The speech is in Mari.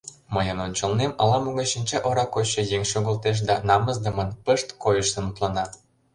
Мыйын ончылнем ала-могай шинча ора койшо еҥ шогылтеш да намысдымын, пышт койшын мутлана.